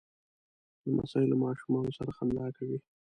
لمسی له ماشومانو سره خندا کوي.